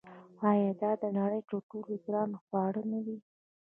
آیا دا د نړۍ تر ټولو ګران خواړه نه دي؟